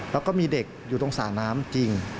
แล้วก็มีเด็กอยู่ตรงสระน้ำจริง